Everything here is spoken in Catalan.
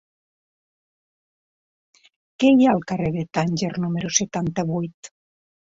Què hi ha al carrer de Tànger número setanta-vuit?